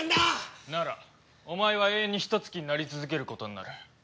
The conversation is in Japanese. ならお前は永遠にヒトツ鬼になり続けることになる。